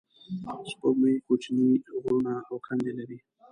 سپوږمۍ کوچنۍ غرونه او کندې لري